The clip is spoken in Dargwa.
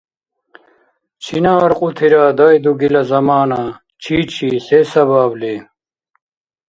Чина аркьутира дай дугила замана? Чичи? Се сабабли?